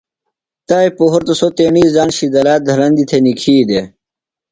تائی پہُرتہ سوۡ تیٹیۡ زان شِدہ لا دھرندیۡ تھےۡ نِکھی دےۡ۔